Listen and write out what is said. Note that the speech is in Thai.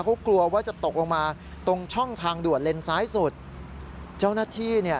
เขากลัวว่าจะตกลงมาตรงช่องทางด่วนเลนซ้ายสุดเจ้าหน้าที่เนี่ย